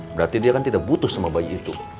berarti dia kan tidak butuh sama bayi itu